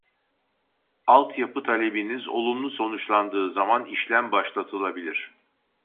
Alt yapı talebiniz olumlu sonuçlandığı zaman işlem başlatılabilir